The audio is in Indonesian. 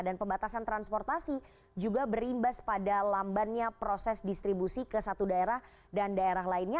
dan pembatasan transportasi juga berimbas pada lambannya proses distribusi ke satu daerah dan daerah lainnya